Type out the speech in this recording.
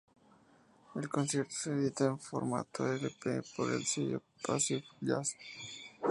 El concierto se edita en formato Lp por el sello "Pacific Jazz".